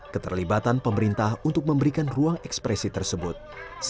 keterlibatan pemerintah untuk memberikan ruang ekspresi tersebut